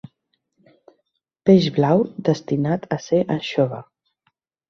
Peix blau destinat a ser anxova.